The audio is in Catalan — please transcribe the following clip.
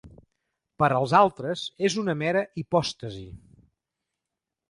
Per a altres, és una mera hipòstasi.